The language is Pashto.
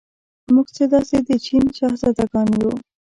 موږ څه داسې د چین شهزادګان یو.